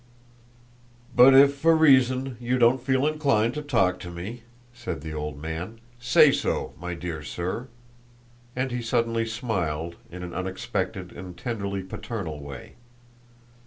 "But if for any reason you don't feel inclined to talk to me," said the old man, "say so, my dear sir." And he suddenly smiled, in an unexpected and tenderly paternal way.